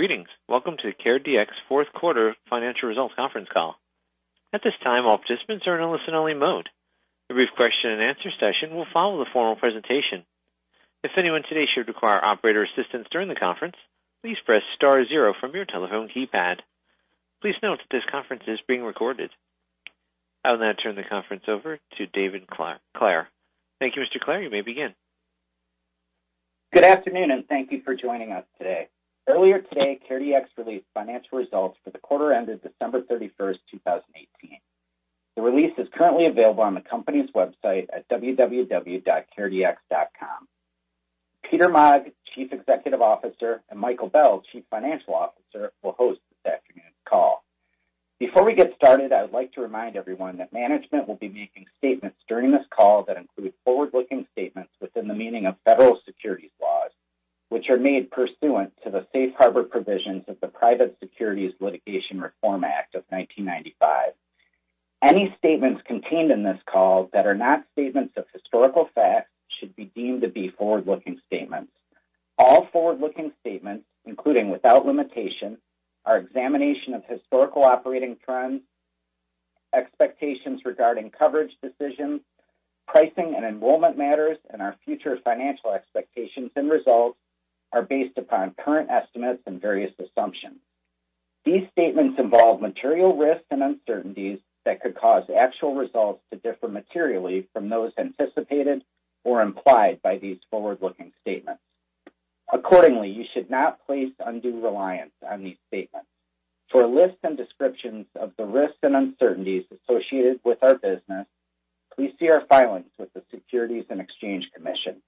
Greetings. Welcome to CareDx fourth quarter financial results conference call. At this time, all participants are in a listen-only mode. A brief question and answer session will follow the formal presentation. If anyone today should require operator assistance during the conference, please press star zero from your telephone keypad. Please note that this conference is being recorded. I'll now turn the conference over to David Clair. Thank you, Mr. Clair. You may begin. Good afternoon. Thank you for joining us today. Earlier today, CareDx released financial results for the quarter ended December 31st, 2018. The release is currently available on the company's website at www.caredx.com. Peter Maag, Chief Executive Officer, and Michael Bell, Chief Financial Officer, will host this afternoon's call. Before we get started, I would like to remind everyone that management will be making statements during this call that include forward-looking statements within the meaning of Federal Securities laws, which are made pursuant to the safe harbor provisions of the Private Securities Litigation Reform Act of 1995. All forward-looking statements, including without limitation, our examination of historical operating trends, expectations regarding coverage decisions, pricing and enrollment matters, and our future financial expectations and results are based upon current estimates and various assumptions. These statements involve material risks and uncertainties that could cause actual results to differ materially from those anticipated or implied by these forward-looking statements. Accordingly, you should not place undue reliance on these statements. For a list and descriptions of the risks and uncertainties associated with our business, please see our filings with the Securities and Exchange Commission.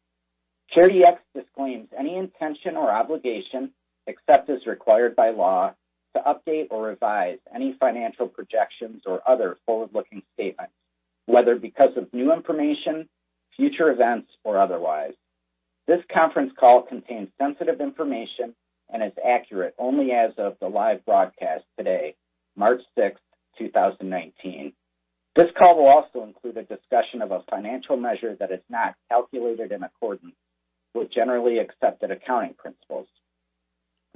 CareDx disclaims any intention or obligation, except as required by law, to update or revise any financial projections or other forward-looking statements, whether because of new information, future events, or otherwise. This conference call contains sensitive information and is accurate only as of the live broadcast today, March 6th, 2019. This call will also include a discussion of a financial measure that is not calculated in accordance with generally accepted accounting principles.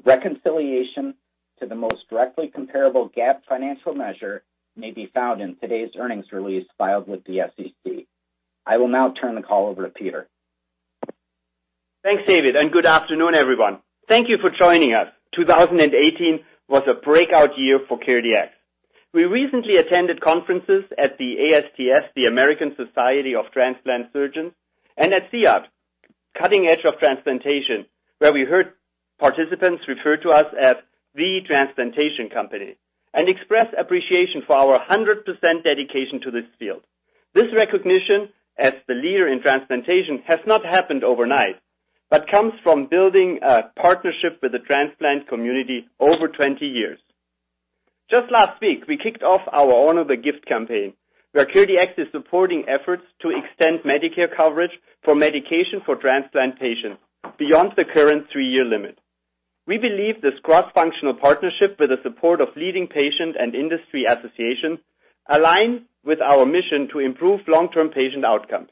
Reconciliation to the most directly comparable GAAP financial measure may be found in today's earnings release filed with the SEC. I will now turn the call over to Peter. Thanks, David, and good afternoon, everyone. Thank you for joining us. 2018 was a breakout year for CareDx. We recently attended conferences at the ASTS, the American Society of Transplant Surgeons, and at CEOT, Cutting Edge of Transplantation, where we heard participants refer to us as the transplantation company and express appreciation for our 100% dedication to this field. This recognition as the leader in transplantation has not happened overnight, but comes from building a partnership with the transplant community over 20 years. Just last week, we kicked off our Honor the Gift campaign, where CareDx is supporting efforts to extend Medicare coverage for medication for transplant patients beyond the current three-year limit. We believe this cross-functional partnership with the support of leading patient and industry associations align with our mission to improve long-term patient outcomes.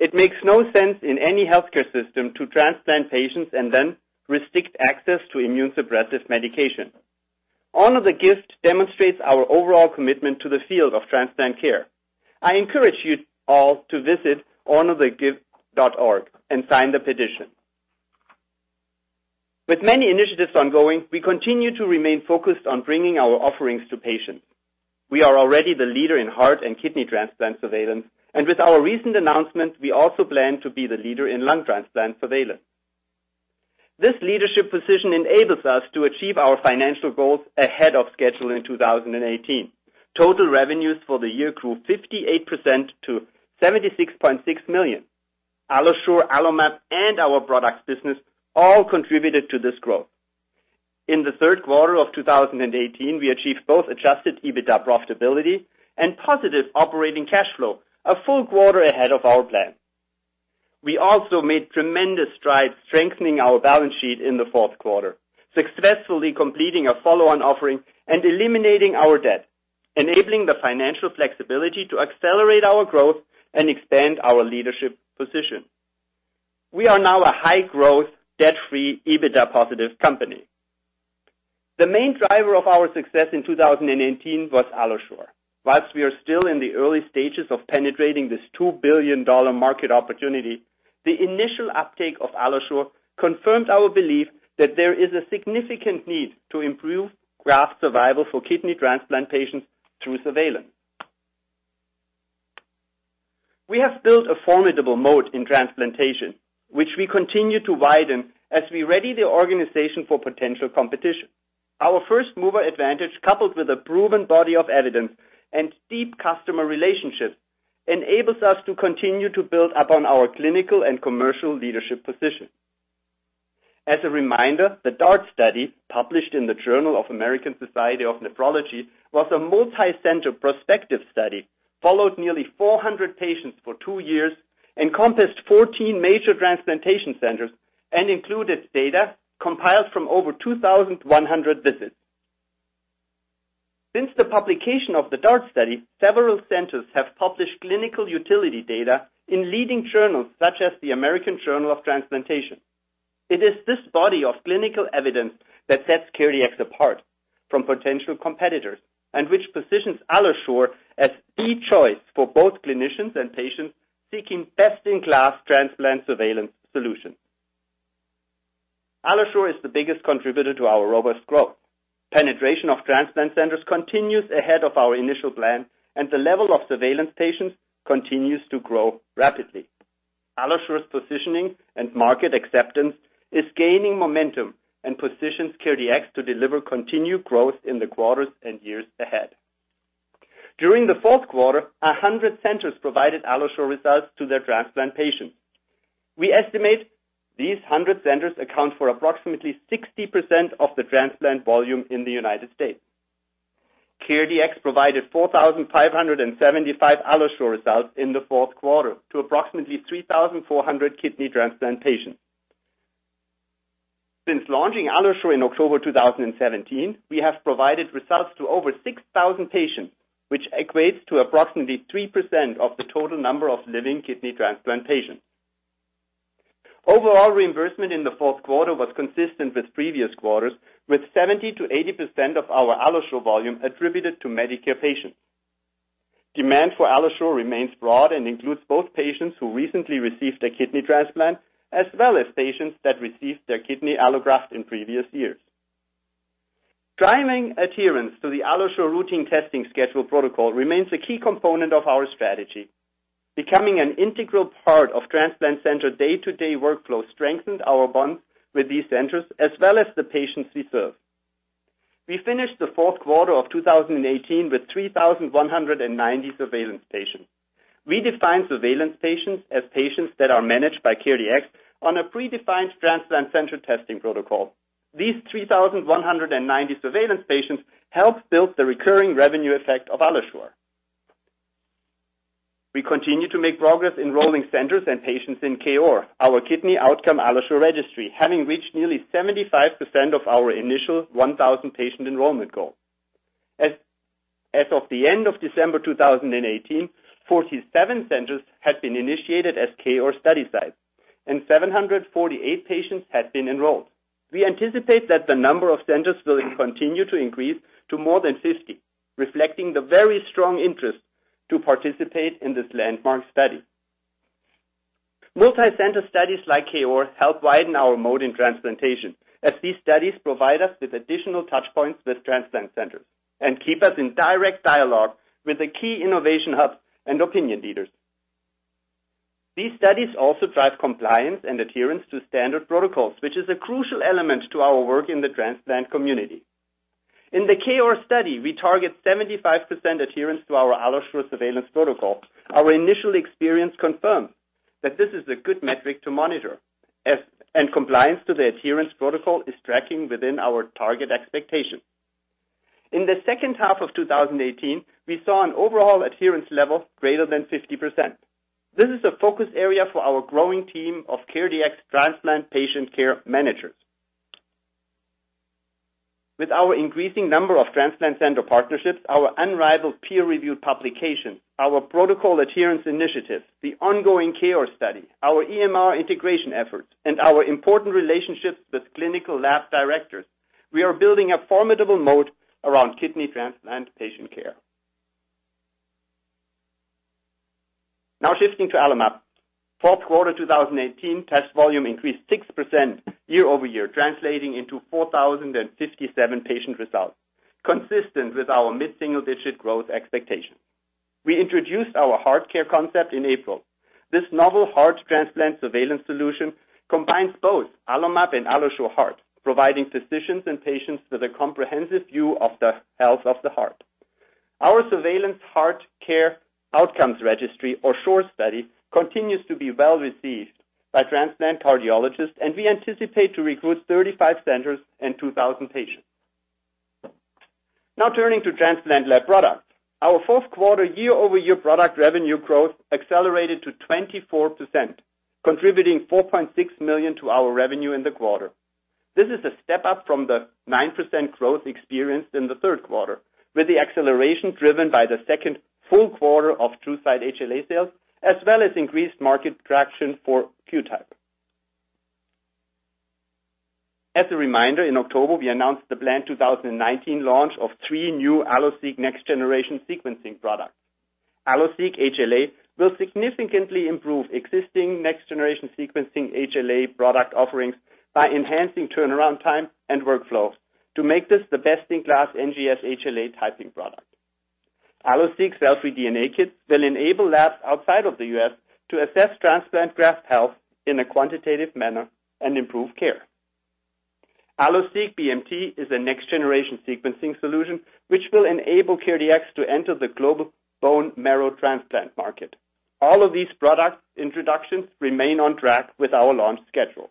It makes no sense in any healthcare system to transplant patients and then restrict access to immunosuppressive medication. Honor the Gift demonstrates our overall commitment to the field of transplant care. I encourage you all to visit honorthegift.org and sign the petition. With many initiatives ongoing, we continue to remain focused on bringing our offerings to patients. We are already the leader in heart and kidney transplant surveillance, and with our recent announcement, we also plan to be the leader in lung transplant surveillance. This leadership position enables us to achieve our financial goals ahead of schedule in 2018. Total revenues for the year grew 58% to $76.6 million. AlloSure, AlloMap, and our products business all contributed to this growth. In the third quarter of 2018, we achieved both adjusted EBITDA profitability and positive operating cash flow, a full quarter ahead of our plan. We also made tremendous strides strengthening our balance sheet in the fourth quarter, successfully completing a follow-on offering and eliminating our debt, enabling the financial flexibility to accelerate our growth and expand our leadership position. We are now a high-growth, debt-free, EBITDA-positive company. The main driver of our success in 2018 was AlloSure. Whilst we are still in the early stages of penetrating this $2 billion market opportunity, the initial uptake of AlloSure confirmed our belief that there is a significant need to improve graft survival for kidney transplant patients through surveillance. We have built a formidable moat in transplantation, which we continue to widen as we ready the organization for potential competition. Our first-mover advantage, coupled with a proven body of evidence and deep customer relationships, enables us to continue to build upon our clinical and commercial leadership position. As a reminder, the DART study, published in the Journal of the American Society of Nephrology, was a multicenter prospective study, followed nearly 400 patients for two years, encompassed 14 major transplantation centers, and included data compiled from over 2,100 visits. Since the publication of the DART study, several centers have published clinical utility data in leading journals such as the American Journal of Transplantation. It is this body of clinical evidence that sets CareDx apart from potential competitors and which positions AlloSure as the choice for both clinicians and patients seeking best-in-class transplant surveillance solutions. AlloSure is the biggest contributor to our robust growth. Penetration of transplant centers continues ahead of our initial plan, and the level of surveillance patients continues to grow rapidly. AlloSure's positioning and market acceptance is gaining momentum and positions CareDx to deliver continued growth in the quarters and years ahead. During the fourth quarter, 100 centers provided AlloSure results to their transplant patients. We estimate these 100 centers account for approximately 60% of the transplant volume in the United States. CareDx provided 4,575 AlloSure results in the fourth quarter to approximately 3,400 kidney transplant patients. Since launching AlloSure in October 2017, we have provided results to over 6,000 patients, which equates to approximately 3% of the total number of living kidney transplant patients. Overall reimbursement in the fourth quarter was consistent with previous quarters, with 70%-80% of our AlloSure volume attributed to Medicare patients. Demand for AlloSure remains broad and includes both patients who recently received a kidney transplant, as well as patients that received their kidney allograft in previous years. Driving adherence to the AlloSure routine testing schedule protocol remains a key component of our strategy. Becoming an integral part of transplant center day-to-day workflow strengthened our bond with these centers, as well as the patients we serve. We finished the fourth quarter of 2018 with 3,190 surveillance patients. We define surveillance patients as patients that are managed by CareDx on a predefined transplant center testing protocol. These 3,190 surveillance patients help build the recurring revenue effect of AlloSure. We continue to make progress enrolling centers and patients in KOAR, our Kidney Allograft Outcomes AlloSure Registry, having reached nearly 75% of our initial 1,000 patient enrollment goal. As of the end of December 2018, 47 centers had been initiated as KOAR study sites, and 748 patients had been enrolled. We anticipate that the number of centers will continue to increase to more than 50, reflecting the very strong interest to participate in this landmark study. Multi-center studies like KOAR help widen our moat in transplantation, as these studies provide us with additional touch points with transplant centers and keep us in direct dialogue with the key innovation hubs and opinion leaders. These studies also drive compliance and adherence to standard protocols, wh=ich is a crucial element to our work in the transplant community. In the KOAR study, we target 75% adherence to our AlloSure surveillance protocol. Our initial experience confirms that this is a good metric to monitor, and compliance to the adherence protocol is tracking within our target expectation. In the second half of 2018, we saw an overall adherence level greater than 50%. This is a focus area for our growing team of CareDx transplant patient care managers. With our increasing number of transplant center partnerships, our unrivaled peer-reviewed publication, our protocol adherence initiatives, the ongoing KOAR study, our EMR integration efforts, and our important relationships with clinical lab directors, we are building a formidable moat around kidney transplant patient care. Now shifting to AlloMap. Fourth quarter 2018 test volume increased 6% year-over-year, translating into 4,057 patient results, consistent with our mid-single-digit growth expectation. We introduced our HeartCare concept in April. This novel heart transplant surveillance solution combines both AlloMap and AlloSure Heart, providing physicians and patients with a comprehensive view of the health of the heart. Our Surveillance HeartCare Outcomes Registry, or SHORE study, continues to be well received by transplant cardiologists, and we anticipate to recruit 35 centers and 2,000 patients. Now turning to transplant lab products. Our fourth quarter year-over-year product revenue growth accelerated to 24%, contributing $4.6 million to our revenue in the quarter. This is a step up from the 9% growth experienced in the third quarter, with the acceleration driven by the second full quarter of TruSight HLA sales, as well as increased market traction for QTYPE. As a reminder, in October, we announced the planned 2019 launch of three new AlloSeq next-generation sequencing products. AlloSeq HLA will significantly improve existing next-generation sequencing HLA product offerings by enhancing turnaround time and workflows to make this the best-in-class NGS HLA typing product. AlloSeq cfDNA will enable labs outside of the U.S. to assess transplant graft health in a quantitative manner and improve care. AlloSeq BMT is a next-generation sequencing solution which will enable CareDx to enter the global bone marrow transplant market. All of these product introductions remain on track with our launch schedule.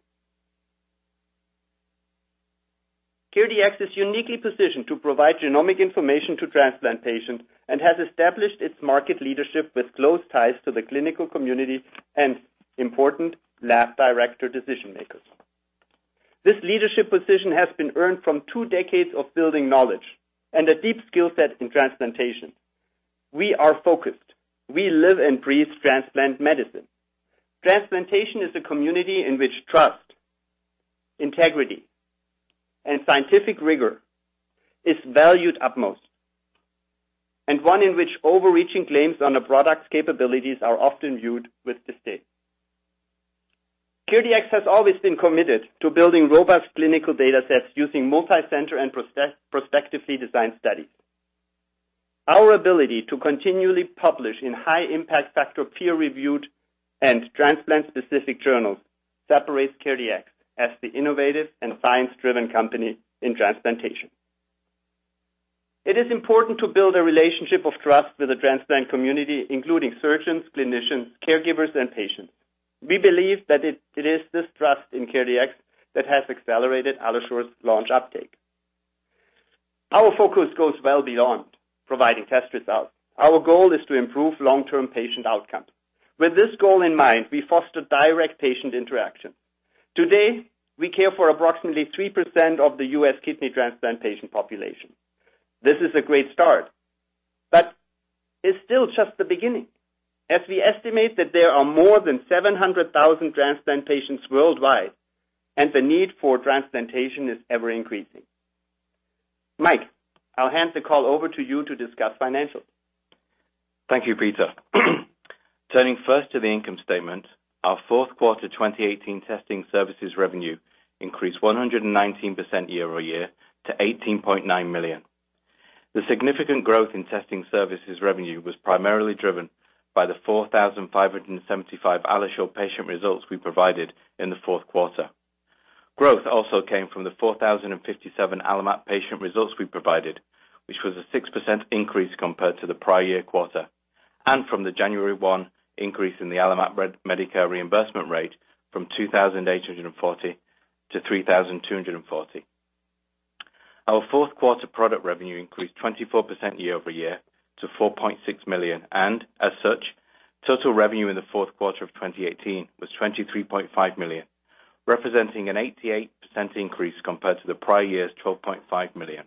CareDx is uniquely positioned to provide genomic information to transplant patients and has established its market leadership with close ties to the clinical community and important lab director decision-makers. This leadership position has been earned from two decades of building knowledge and a deep skill set in transplantation. We are focused. We live and breathe transplant medicine. Transplantation is a community in which trust, integrity, and scientific rigor is valued utmost, and one in which overreaching claims on a product's capabilities are often viewed with disdain. CareDx has always been committed to building robust clinical data sets using multi-center and prospectively designed studies. Our ability to continually publish in high impact factor peer-reviewed and transplant-specific journals separates CareDx as the innovative and science-driven company in transplantation. It is important to build a relationship of trust with the transplant community, including surgeons, clinicians, caregivers, and patients. We believe that it is this trust in CareDx that has accelerated AlloSure's launch uptake. Our focus goes well beyond providing test results. Our goal is to improve long-term patient outcomes. With this goal in mind, we foster direct patient interaction. Today, we care for approximately 3% of the U.S. kidney transplant patient population. This is a great start, but it's still just the beginning, as we estimate that there are more than 700,000 transplant patients worldwide, and the need for transplantation is ever-increasing. Mike, I'll hand the call over to you to discuss financials. Thank you, Peter. Turning first to the income statement, our fourth quarter 2018 testing services revenue increased 119% year-over-year to $18.9 million. The significant growth in testing services revenue was primarily driven by the 4,575 AlloSure patient results we provided in the fourth quarter. Growth also came from the 4,057 AlloMap patient results we provided, which was a 6% increase compared to the prior year quarter. From the January 1 increase in the AlloMap Medicare reimbursement rate from $2,840-$3,240. Our fourth quarter product revenue increased 24% year-over-year to $4.6 million. As such, total revenue in the fourth quarter of 2018 was $23.5 million, representing an 88% increase compared to the prior year's $12.5 million.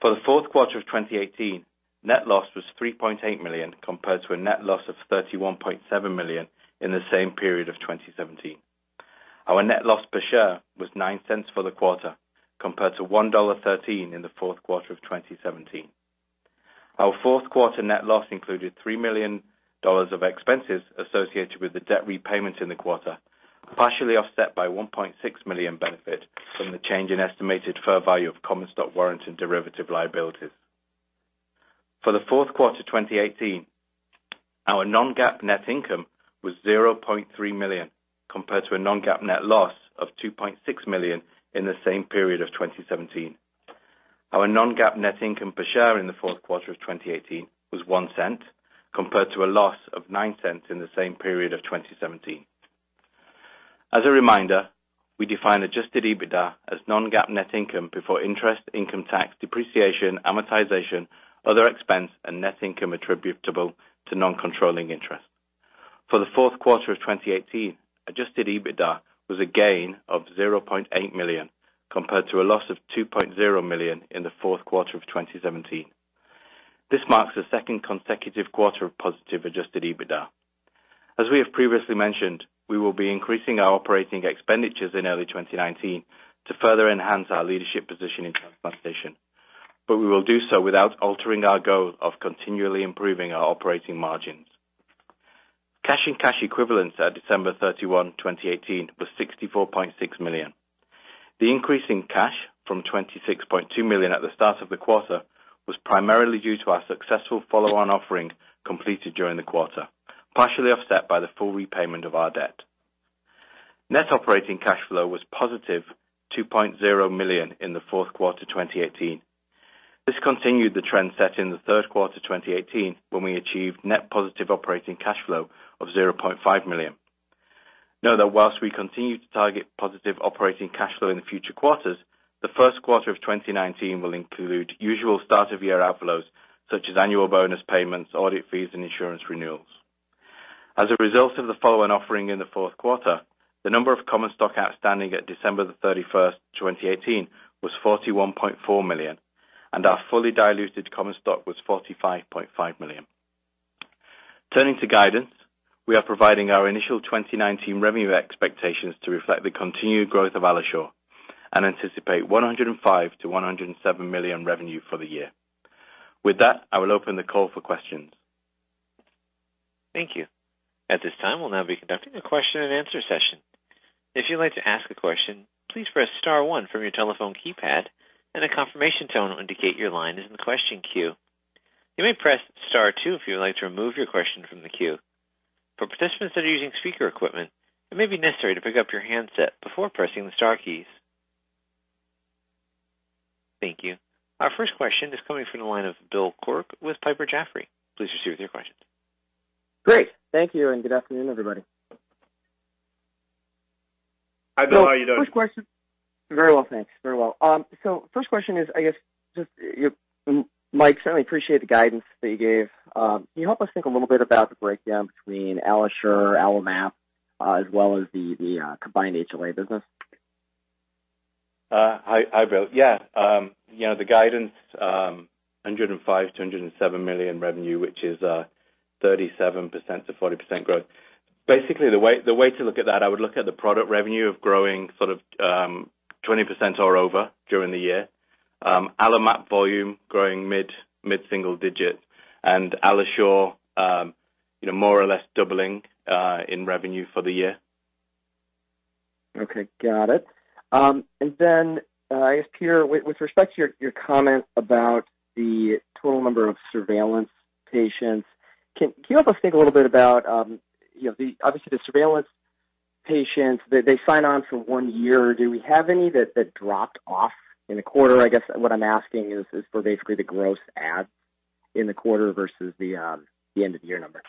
For the fourth quarter of 2018, net loss was $3.8 million, compared to a net loss of $31.7 million in the same period of 2017. Our net loss per share was $0.09 for the quarter, compared to $1.13 in the fourth quarter of 2017. Our fourth quarter net loss included $3 million of expenses associated with the debt repayment in the quarter, partially offset by $1.6 million benefit from the change in estimated fair value of common stock warrant and derivative liabilities. For the fourth quarter 2018, our non-GAAP net income was $0.3 million, compared to a non-GAAP net loss of $2.6 million in the same period of 2017. Our non-GAAP net income per share in the fourth quarter of 2018 was $0.01, compared to a loss of $0.09 in the same period of 2017. As a reminder, we define adjusted EBITDA as non-GAAP net income before interest, income tax, depreciation, amortization, other expense, and net income attributable to non-controlling interest. For the fourth quarter of 2018, adjusted EBITDA was a gain of $0.8 million, compared to a loss of $2.0 million in the fourth quarter of 2017. This marks the second consecutive quarter of positive adjusted EBITDA. As we have previously mentioned, we will be increasing our operating expenditures in early 2019 to further enhance our leadership position in transplantation, but we will do so without altering our goal of continually improving our operating margins. Cash and cash equivalents at December 31, 2018, was $64.6 million. The increase in cash from $26.2 million at the start of the quarter was primarily due to our successful follow-on offering completed during the quarter, partially offset by the full repayment of our debt. Net operating cash flow was positive $2.0 million in the fourth quarter 2018. This continued the trend set in the third quarter 2018, when we achieved net positive operating cash flow of $0.5 million. Know that while we continue to target positive operating cash flow in the future quarters, the first quarter of 2019 will include usual start of year outflows such as annual bonus payments, audit fees, and insurance renewals. As a result of the follow-on offering in the fourth quarter, the number of common stock outstanding at December 31st, 2018, was $41.4 million, and our fully diluted common stock was $45.5 million. Turning to guidance, we are providing our initial 2019 revenue expectations to reflect the continued growth of AlloSure, anticipate $105 million-$107 million revenue for the year. With that, I will open the call for questions. Thank you. At this time, we'll now be conducting a question and answer session. If you'd like to ask a question, please press star one from your telephone keypad and a confirmation tone will indicate your line is in the question queue. You may press star two if you would like to remove your question from the queue. For participants that are using speaker equipment, it may be necessary to pick up your handset before pressing the star keys. Thank you. Our first question is coming from the line of Bill Quirk with Piper Jaffray. Please proceed with your questions. Great. Thank you, good afternoon, everybody. Hi, Bill, how are you doing? Very well, thanks. Very well. First question is, Mike, certainly appreciate the guidance that you gave. Can you help us think a little bit about the breakdown between AlloSure, AlloMap, as well as the combined HLA business? Hi, Bill. Yeah. The guidance, $105 million-$107 million revenue, which is 37%-40% growth. Basically, the way to look at that, I would look at the product revenue of growing sort of 20% or over during the year. AlloMap volume growing mid-single digits, and AlloSure more or less doubling in revenue for the year. Okay. Got it. Then, I guess, Peter, with respect to your comment about the total number of surveillance patients, can you help us think a little bit about, obviously the surveillance patients, they sign on for one year. Do we have any that dropped off in a quarter? I guess what I'm asking is for basically the gross adds in the quarter versus the end of year number.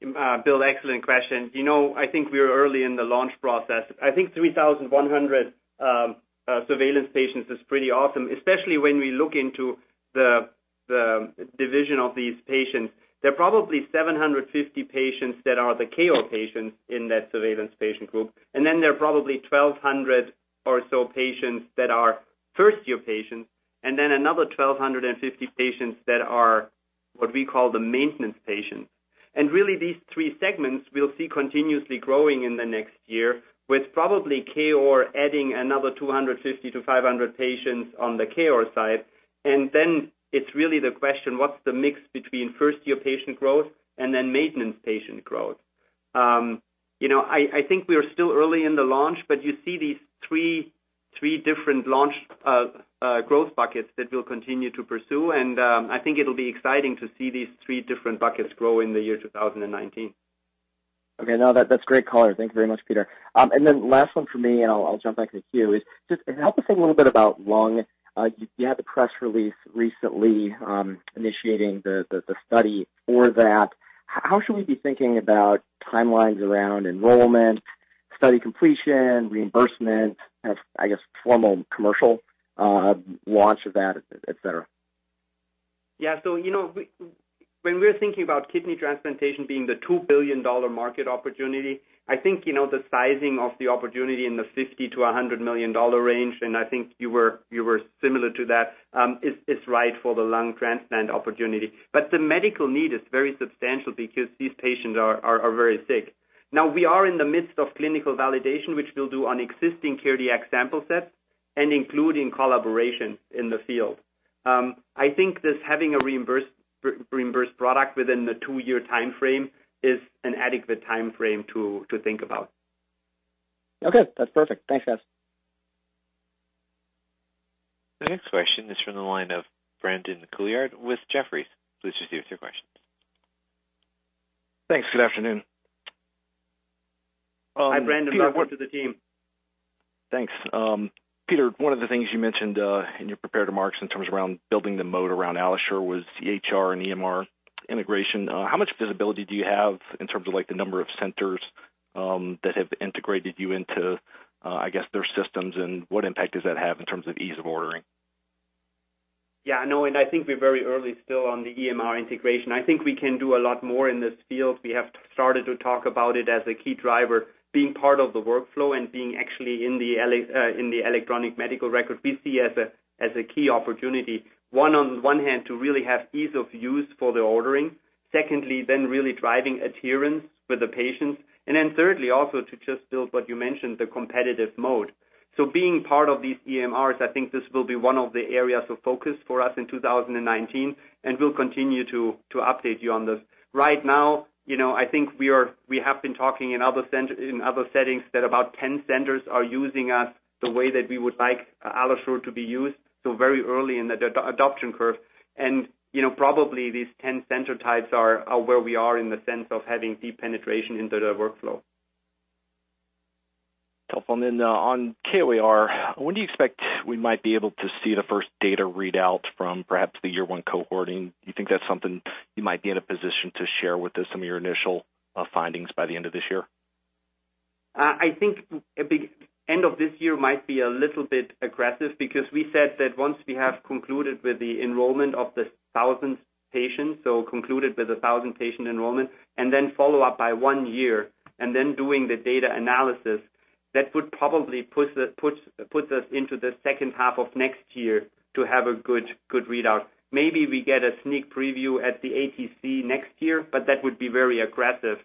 Bill, excellent question. I think we are early in the launch process. I think 3,100 surveillance patients is pretty awesome, especially when we look into the division of these patients. There are probably 750 patients that are the KO patients in that surveillance patient group, then there are probably 1,200 or so patients that are first-year patients, then another 1,250 patients that are what we call the maintenance patients. Really these three segments we'll see continuously growing in the next year, with probably KO adding another 250 to 500 patients on the KO side. Then it's really the question, what's the mix between first-year patient growth and then maintenance patient growth? I think we are still early in the launch, but you see these three different launch growth buckets that we'll continue to pursue. I think it'll be exciting to see these three different buckets grow in the year 2019. Okay. No, that's great color. Thank you very much, Peter. Last one from me, and I'll jump back to queue, is just help us think a little bit about lung. You had the press release recently, initiating the study for that. How should we be thinking about timelines around enrollment, study completion, reimbursement, I guess formal commercial launch of that, et cetera? Yeah. When we're thinking about kidney transplantation being the $2 billion market opportunity, I think, the sizing of the opportunity in the $50 million-$100 million range, and I think you were similar to that, is right for the lung transplant opportunity. The medical need is very substantial because these patients are very sick. We are in the midst of clinical validation, which we'll do on existing CareDx sample sets and including collaboration in the field. I think this having a reimbursed product within the two-year timeframe is an adequate timeframe to think about. Okay. That's perfect. Thanks, guys. The next question is from the line of Brandon Couillard with Jefferies. Please proceed with your question. Thanks. Good afternoon. Hi, Brandon. Welcome to the team. Thanks. Peter, one of the things you mentioned in your prepared remarks in terms around building the moat around AlloSure was EHR and EMR integration. How much visibility do you have in terms of the number of centers that have integrated you into their systems, and what impact does that have in terms of ease of ordering? No, I think we're very early still on the EMR integration. I think we can do a lot more in this field. We have started to talk about it as a key driver, being part of the workflow and being actually in the electronic medical record, we see as a key opportunity. One, on one hand, to really have ease of use for the ordering. Secondly, really driving adherence with the patients. Thirdly, also to just build what you mentioned, the competitive moat. Being part of these EMRs, I think this will be one of the areas of focus for us in 2019, and we'll continue to update you on this. Right now, I think we have been talking in other settings that about 10 centers are using us the way that we would like AlloSure to be used, so very early in the adoption curve. Probably these 10 center types are where we are in the sense of having deep penetration into their workflow. Top on then. On KOAR, when do you expect we might be able to see the first data readout from perhaps the year one cohorting? Do you think that's something you might be in a position to share with us some of your initial findings by the end of this year? I think end of this year might be a little bit aggressive because we said that once we have concluded with the enrollment of the 1,000th patient, so concluded with 1,000-patient enrollment, then follow up by one year and then doing the data analysis, that would probably put us into the second half of next year to have a good readout. Maybe we get a sneak preview at the ATC next year, that would be very aggressive.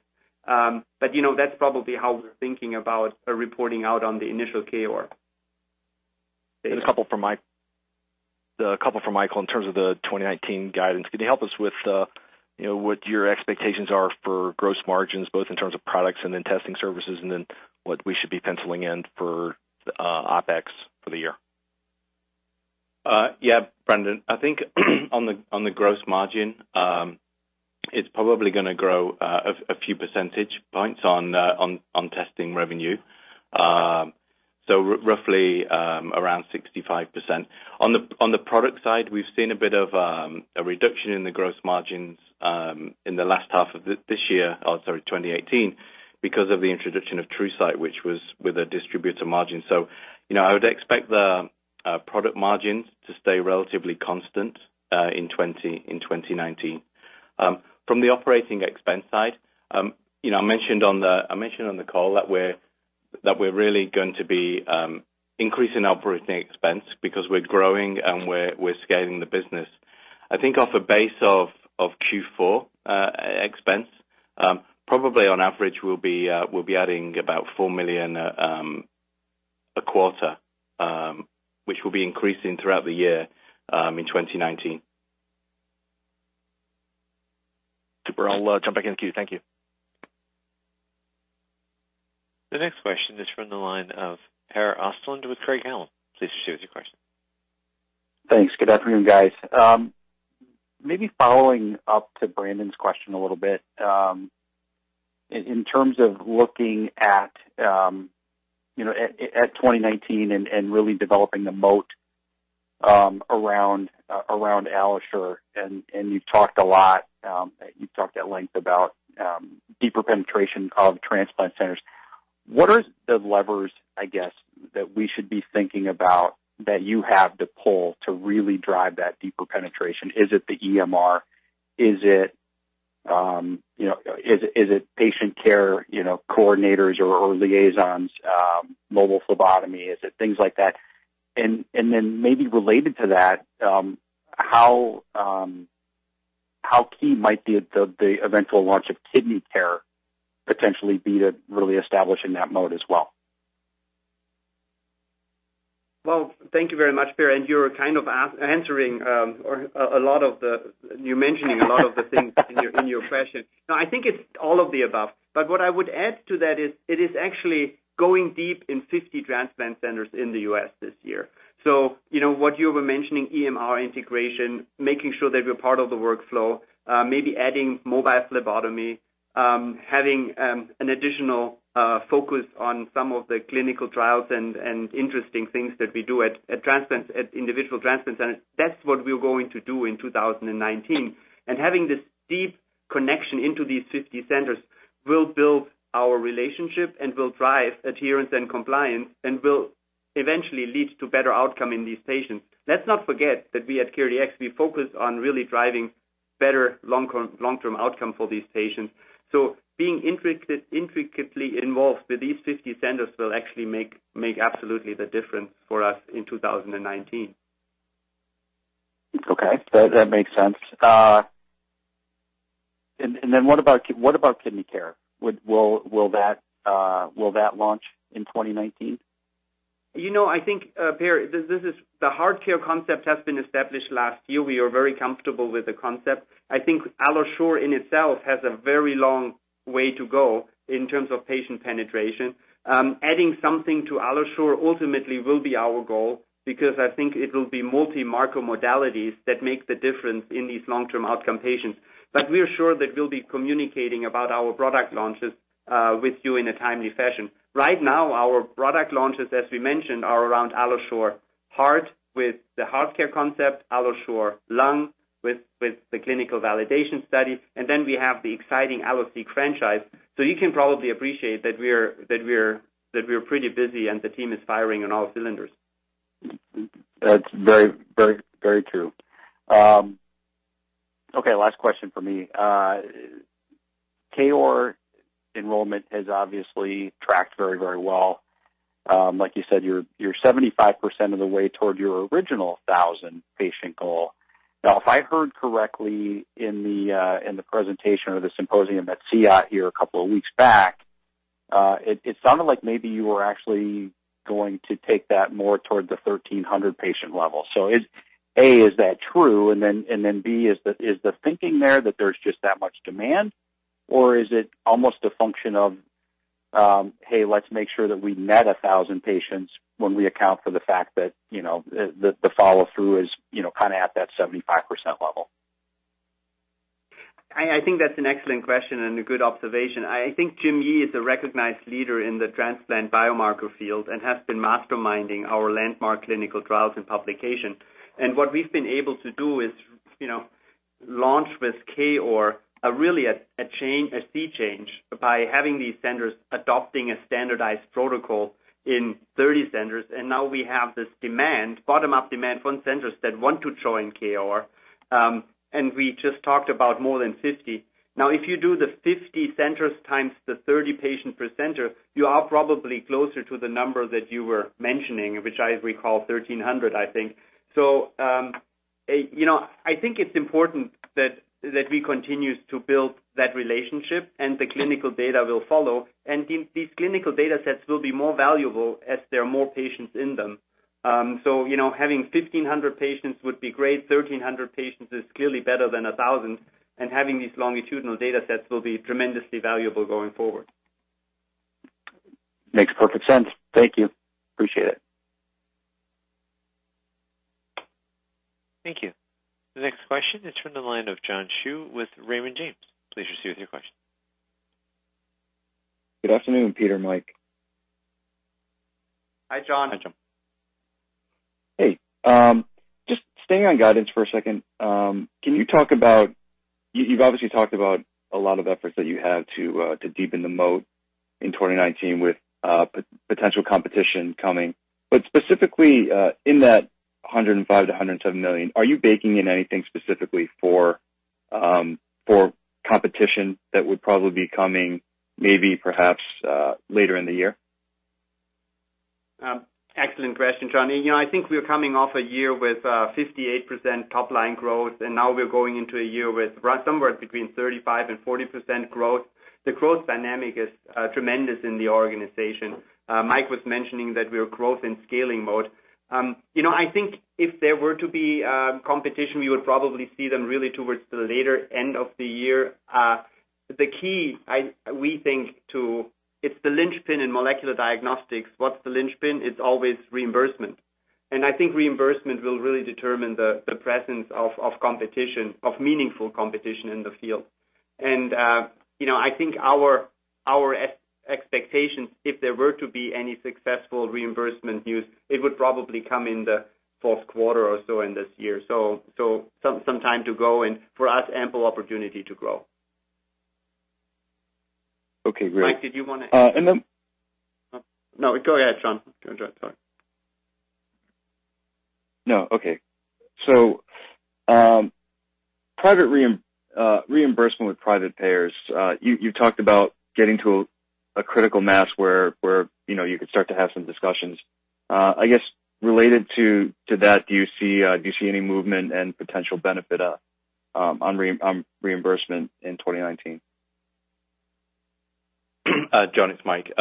That's probably how we're thinking about reporting out on the initial KOAR. A couple for Michael in terms of the 2019 guidance. Can you help us with what your expectations are for gross margins, both in terms of products and then testing services, and then what we should be penciling in for OpEx for the year? Yeah. Brandon, I think on the gross margin, it's probably going to grow a few percentage points on testing revenue. Roughly, around 65%. On the product side, we've seen a bit of a reduction in the gross margins in the last half of 2018. Because of the introduction of TruSight, which was with a distributor margin. I would expect the product margin to stay relatively constant in 2019. From the operating expense side, I mentioned on the call that we're really going to be increasing our operating expense because we're growing and we're scaling the business. I think off a base of Q4 expense, probably on average we'll be adding about $4 million a quarter, which will be increasing throughout the year in 2019. Super. I'll jump back in queue. Thank you. The next question is from the line of Per Ostlund with Craig-Hallum. Please proceed with your question. Thanks. Good afternoon, guys. Following up to Brandon's question a little bit, in terms of looking at 2019 and really developing the moat around AlloSure, you've talked at length about deeper penetration of transplant centers. What are the levers, I guess, that we should be thinking about that you have to pull to really drive that deeper penetration? Is it the EMR? Is it patient care coordinators or liaisons, mobile phlebotomy? Is it things like that? Maybe related to that, how key might the eventual launch of KidneyCare potentially be to really establishing that moat as well? Well, thank you very much, Per, you're mentioning a lot of the things in your question. I think it's all of the above. What I would add to that is, it is actually going deep in 50 transplant centers in the U.S. this year. What you were mentioning, EMR integration, making sure that we're part of the workflow, maybe adding mobile phlebotomy, having an additional focus on some of the clinical trials and interesting things that we do at individual transplant centers. That's what we're going to do in 2019. Having this deep connection into these 50 centers will build our relationship and will drive adherence and compliance, and will eventually lead to better outcome in these patients. Let's not forget that we at CareDx, we focus on really driving better long-term outcome for these patients. Being intricately involved with these 50 centers will actually make absolutely the difference for us in 2019. Okay. That makes sense. What about KidneyCare? Will that launch in 2019? I think, Per, the HeartCare concept has been established last year. We are very comfortable with the concept. I think AlloSure in itself has a very long way to go in terms of patient penetration. Adding something to AlloSure ultimately will be our goal, because I think it'll be multi-marker modalities that make the difference in these long-term outcome patients. We are sure that we'll be communicating about our product launches with you in a timely fashion. Right now, our product launches, as we mentioned, are around AlloSure Heart with the HeartCare concept, AlloSure Lung with the clinical validation study, and then we have the exciting AlloSeq franchise. You can probably appreciate that we're pretty busy and the team is firing on all cylinders. That's very true. Okay, last question from me. KOAR enrollment has obviously tracked very well. Like you said, you're 75% of the way toward your original 1,000-patient goal. Now, if I heard correctly in the presentation or the symposium at CEOT here a couple of weeks back, it sounded like maybe you were actually going to take that more toward the 1,300-patient level. A, is that true? B, is the thinking there that there's just that much demand, or is it almost a function of, "Hey, let's make sure that we net 1,000 patients when we account for the fact that the follow-through is at that 75% level"? I think that's an excellent question and a good observation. I think James Yee is a recognized leader in the transplant biomarker field and has been masterminding our landmark clinical trials and publication. What we've been able to do is launch with KOAR, really a sea change by having these centers adopting a standardized protocol in 30 centers. Now we have this demand, bottom-up demand from centers that want to join KOAR. We just talked about more than 50. If you do the 50 centers times the 30 patients per center, you are probably closer to the number that you were mentioning, which I recall, 1,300, I think. I think it's important that we continue to build that relationship, and the clinical data will follow. These clinical data sets will be more valuable as there are more patients in them. Having 1,500 patients would be great. 1,300 patients is clearly better than 1,000, having these longitudinal data sets will be tremendously valuable going forward. Makes perfect sense. Thank you. Appreciate it. Thank you. The next question is from the line of John Hsu with Raymond James. Please proceed with your question. Good afternoon, Peter and Mike. Hi, John. Hi, John. Hey. Just staying on guidance for a second. You've obviously talked about a lot of efforts that you have to deepen the moat in 2019 with potential competition coming. Specifically, in that $105 million-$110 million, are you baking in anything specifically for competition that would probably be coming maybe perhaps later in the year? Excellent question, John. I think we're coming off a year with 58% top-line growth, and now we're going into a year with somewhere between 35% and 40% growth. The growth dynamic is tremendous in the organization. Mike was mentioning that we are growth and scaling mode. I think if there were to be competition, we would probably see them really towards the later end of the year. The key, we think, it's the linchpin in molecular diagnostics. What's the linchpin? It's always reimbursement. I think reimbursement will really determine the presence of meaningful competition in the field. I think our expectations, if there were to be any successful reimbursement news, it would probably come in the fourth quarter or so in this year. Some time to go, and for us, ample opportunity to grow. Okay, great. Mike, did you want to-- And then- No, go ahead, John. Sorry. No, okay. Reimbursement with private payers. You talked about getting to a critical mass where you could start to have some discussions. I guess related to that, do you see any movement and potential benefit on reimbursement in 2019? John, it's Mike.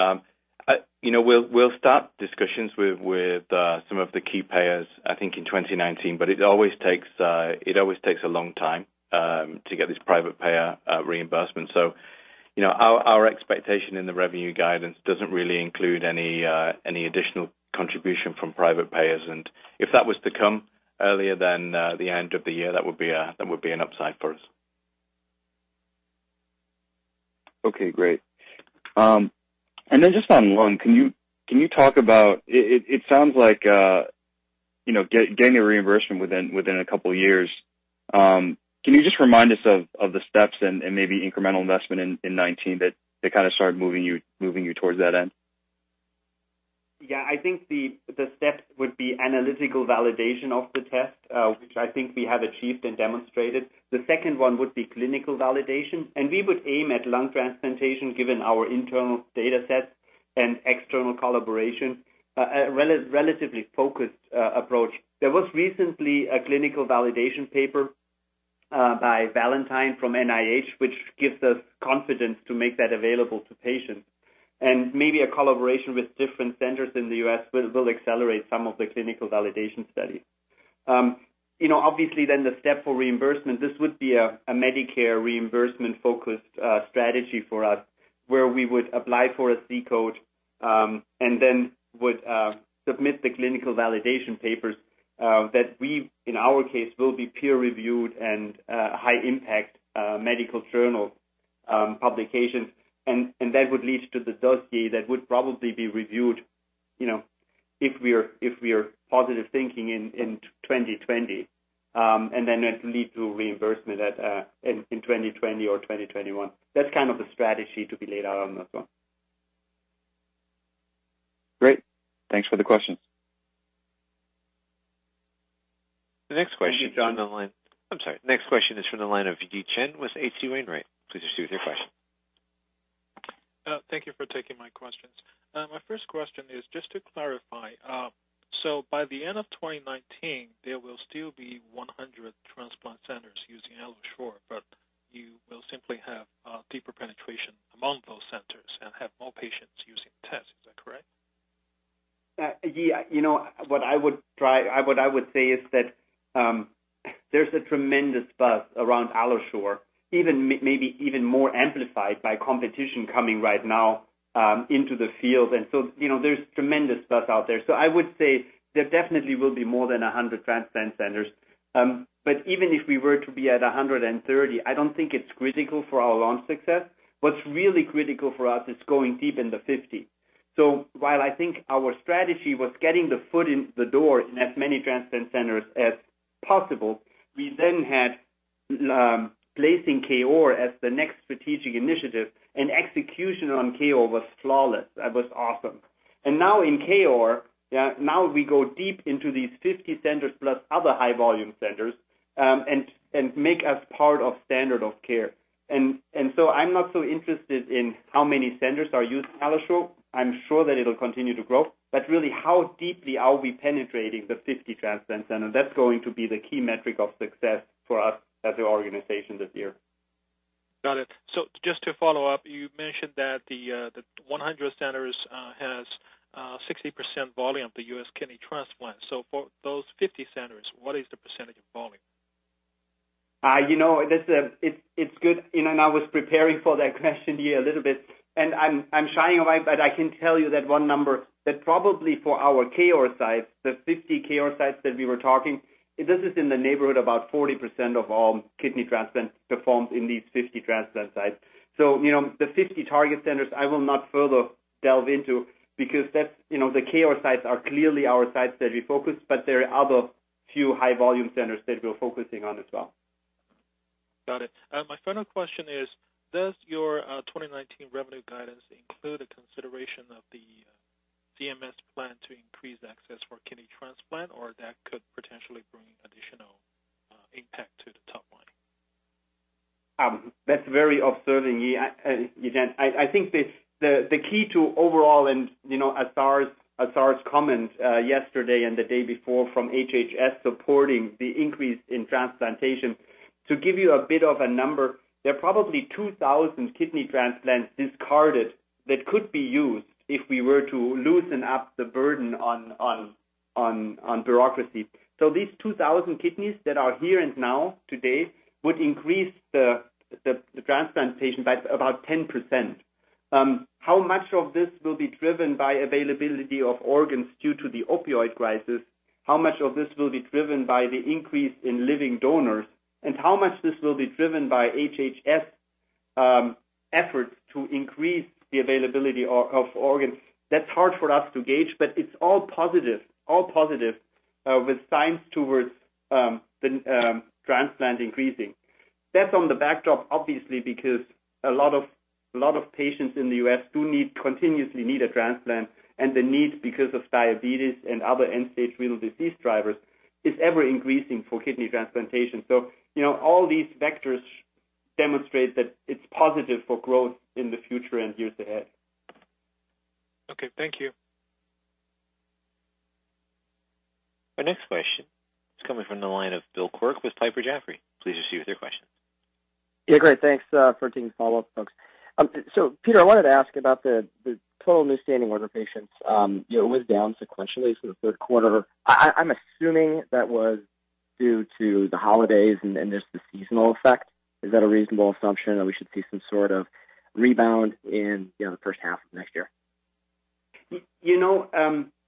We'll start discussions with some of the key payers, I think, in 2019, but it always takes a long time to get this private payer reimbursement. Our expectation in the revenue guidance doesn't really include any additional contribution from private payers. If that was to come earlier than the end of the year, that would be an upside for us. Okay, great. Then just on lung, it sounds like getting a reimbursement within a couple of years. Can you just remind us of the steps and maybe incremental investment in 2019 that kind of started moving you towards that end? Yeah, I think the steps would be analytical validation of the test, which I think we have achieved and demonstrated. The second one would be clinical validation. We would aim at lung transplantation given our internal data sets and external collaboration. A relatively focused approach. There was recently a clinical validation paper by Valantine from NIH, which gives us confidence to make that available to patients. Maybe a collaboration with different centers in the U.S. will accelerate some of the clinical validation studies. Obviously the step for reimbursement, this would be a Medicare reimbursement-focused strategy for us, where we would apply for a C-code, and then would submit the clinical validation papers that we, in our case, will be peer-reviewed and high-impact medical journal publications. That would lead to the dossier that would probably be reviewed, if we are positive thinking, in 2020. It lead to reimbursement in 2020 or 2021. That's kind of the strategy to be laid out on the phone. Great. Thanks for the questions. The next question. Thank you, John. I'm sorry. Next question is from the line of Yi Chen with H.C. Wainwright. Please proceed with your question. Thank you for taking my questions. My first question is just to clarify. By the end of 2019, there will still be 100 transplant centers using AlloSure, but you will simply have deeper penetration among those centers and have more patients using tests. Is that correct? Yeah. What I would say is that there's a tremendous buzz around AlloSure, maybe even more amplified by competition coming right now into the field. There's tremendous buzz out there. I would say there definitely will be more than 100 transplant centers. Even if we were to be at 130, I don't think it's critical for our lung success. What's really critical for us is going deep in the 50. While I think our strategy was getting the foot in the door in as many transplant centers as possible, we then had placing KR as the next strategic initiative, and execution on KR was flawless. That was awesome. In KR, now we go deep into these 50 centers plus other high-volume centers, and make us part of standard of care. I'm not so interested in how many centers are using AlloSure. I'm sure that it'll continue to grow, really, how deeply are we penetrating the 50 transplant centers? That's going to be the key metric of success for us as an organization this year. Got it. Just to follow up, you mentioned that the 100 centers has 60% volume of the U.S. kidney transplant. For those 50 centers, what is the percentage of volume? It's good. I was preparing for that question here a little bit, I'm shying away, but I can tell you that one number, that probably for our KR sites, the 50 KR sites that we were talking, this is in the neighborhood about 40% of all kidney transplants performed in these 50 transplant sites. The 50 target centers, I will not further delve into because the KR sites are clearly our sites that we focus, but there are other few high-volume centers that we're focusing on as well. Got it. My final question is, does your 2019 revenue guidance include a consideration of the CMS plan to increase access for kidney transplant, or that could potentially bring additional impact to the top line? That's very observing, Yi chen. I think the key to overall and Azar's comment yesterday and the day before from HHS supporting the increase in transplantation, to give you a bit of a number, there are probably 2,000 kidney transplants discarded that could be used if we were to loosen up the burden on bureaucracy. These 2,000 kidneys that are here and now, today, would increase the transplantation by about 10%. How much of this will be driven by availability of organs due to the opioid crisis, how much of this will be driven by the increase in living donors, and how much this will be driven by HHS efforts to increase the availability of organs, that's hard for us to gauge, but it's all positive with signs towards the transplant increasing. That's on the backdrop, obviously, because a lot of patients in the U.S. continuously need a transplant, and the need, because of diabetes and other end-stage renal disease drivers, is ever-increasing for kidney transplantation. All these vectors demonstrate that it's positive for growth in the future and years ahead. Okay, thank you. Our next question is coming from the line of Bill Quirk with Piper Jaffray. Please proceed with your question. Yeah, great. Thanks for taking follow-up, folks. Peter, I wanted to ask about the total new standing order patients. It was down sequentially for the third quarter. I'm assuming that was due to the holidays and just the seasonal effect. Is that a reasonable assumption that we should see some sort of rebound in the first half of next year?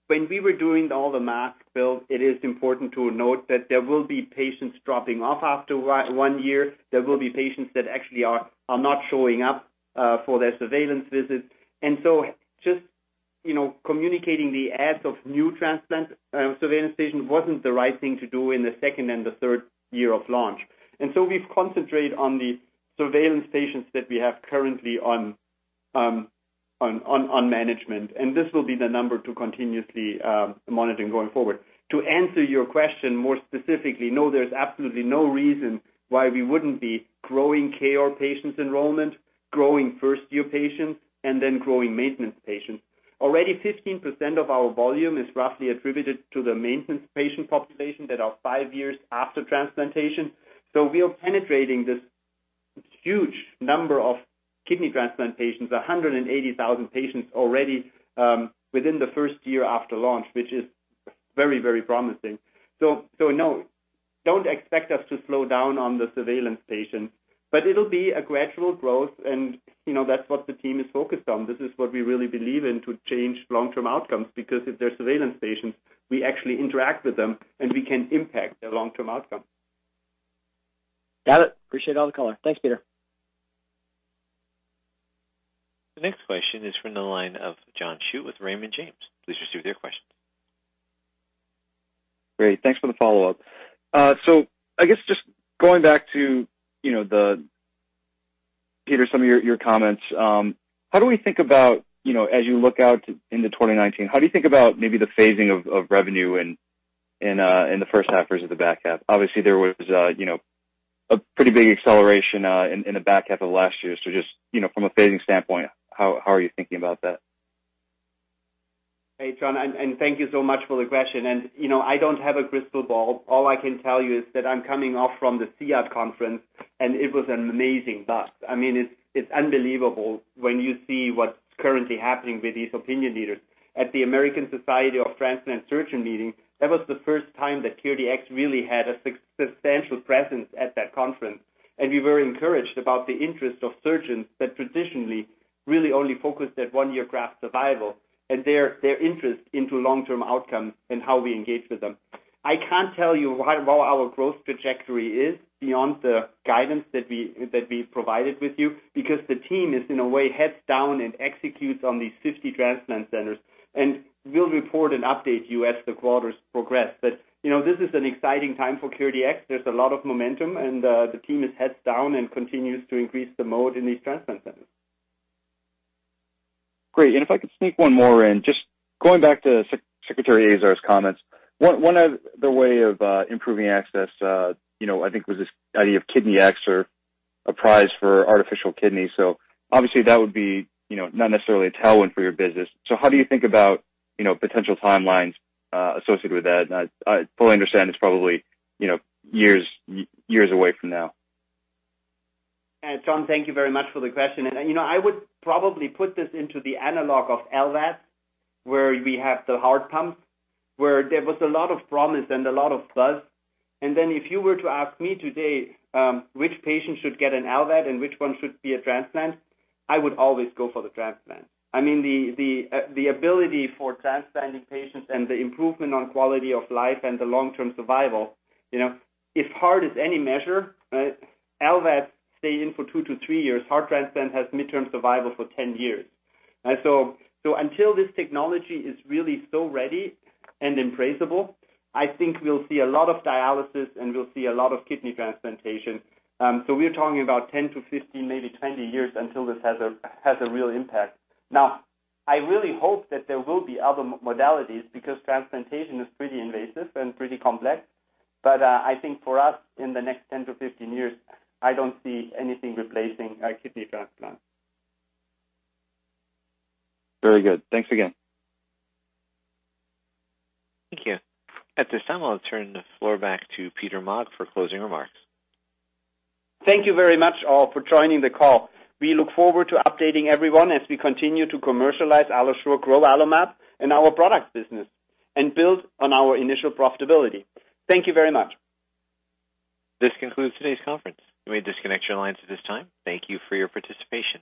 When we were doing all the math, Bill, it is important to note that there will be patients dropping off after one year. There will be patients that actually are not showing up for their surveillance visits. Just communicating the adds of new transplant surveillance patients wasn't the right thing to do in the second and the third year of launch. We've concentrated on the surveillance patients that we have currently on management, and this will be the number to continuously monitor going forward. To answer your question more specifically, no, there's absolutely no reason why we wouldn't be growing KOAR patients enrollment, growing first-year patients, and then growing maintenance patients. Already, 15% of our volume is roughly attributed to the maintenance patient population that are five years after transplantation. We are penetrating this huge number of kidney transplant patients, 180,000 patients already within the first year after launch, which is very promising. No, don't expect us to slow down on the surveillance patients, but it'll be a gradual growth and that's what the team is focused on. This is what we really believe in to change long-term outcomes, because if they're surveillance patients, we actually interact with them, and we can impact their long-term outcome. Got it. Appreciate all the color. Thanks, Peter. The next question is from the line of John Hsu with Raymond James. Please proceed with your question. Great, thanks for the follow-up. I guess just going back to, Peter, some of your comments, as you look out into 2019, how do you think about maybe the phasing of revenue in the first half versus the back half? Obviously, there was a pretty big acceleration in the back half of last year. Just from a phasing standpoint, how are you thinking about that? Hey, John, thank you so much for the question. I don't have a crystal ball. All I can tell you is that I'm coming off from the CEOT conference, and it was an amazing buzz. It's unbelievable when you see what's currently happening with these opinion leaders. At the American Society of Transplant Surgeon meeting, that was the first time that CareDx really had a substantial presence at that conference, and we were encouraged about the interest of surgeons that traditionally really only focused at one-year graft survival, and their interest into long-term outcomes and how we engage with them. I can't tell you what our growth trajectory is beyond the guidance that we provided with you, because the team is in a way heads down and executes on these 50 transplant centers, and we'll report and update you as the quarters progress. This is an exciting time for CareDx. There's a lot of momentum, and the team is heads down and continues to increase the moat in these transplant centers. Great. If I could sneak one more in, just going back to Secretary Azar's comments, one of the way of improving access, I think was this idea of KidneyX or a prize for artificial kidneys. Obviously that would be not necessarily a tailwind for your business. How do you think about potential timelines associated with that? I fully understand it's probably years away from now. John, thank you very much for the question. I would probably put this into the analog of LVAD, where we have the heart pumps, where there was a lot of promise and a lot of buzz. If you were to ask me today which patient should get an LVAD and which one should be a transplant, I would always go for the transplant. The ability for transplanting patients and the improvement on quality of life and the long-term survival, if heart is any measure, LVAD stay in for two to three years. Heart transplant has midterm survival for 10 years. Until this technology is really so ready and embraceable, I think we'll see a lot of dialysis and we'll see a lot of kidney transplantation. We're talking about 10 to 15, maybe 20 years until this has a real impact. Now, I really hope that there will be other modalities because transplantation is pretty invasive and pretty complex. I think for us, in the next 10 to 15 years, I don't see anything replacing a kidney transplant. Very good. Thanks again. Thank you. At this time, I'll turn the floor back to Peter Maag for closing remarks. Thank you very much, all, for joining the call. We look forward to updating everyone as we continue to commercialize AlloSure, grow AlloMap and our product business, and build on our initial profitability. Thank you very much. This concludes today's conference. You may disconnect your lines at this time. Thank you for your participation.